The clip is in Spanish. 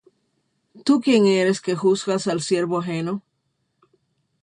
¿Tú quién eres que juzgas al siervo ajeno?